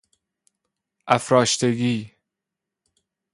افراشتگی